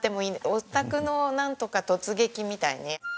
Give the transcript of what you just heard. お宅のなんとか突撃みたいに。